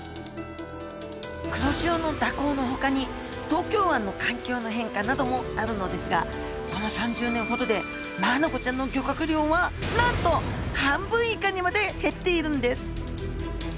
黒潮の蛇行のほかに東京湾の環境の変化などもあるのですがこの３０年ほどでマアナゴちゃんの漁獲量はなんと半分以下にまで減っているんです